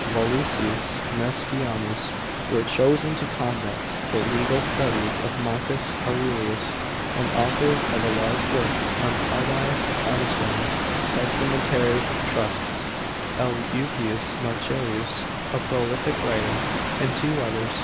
Volusius Msecianus, chosen to conduct the legal studies of Marcus Aurelius, and author of a large work on Fidei Commiswi (Testa mentary Trusts) ; L. Ulpius Marcellus, a prolific writer ; and two others.